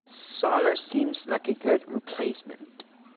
Solar seems like a good replacement.